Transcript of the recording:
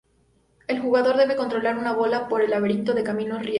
El jugador debe controlar una bola por un laberinto de caminos y rieles.